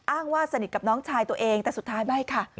ว่าสนิทกับน้องชายตัวเองแต่สุดท้ายไม่ค่ะ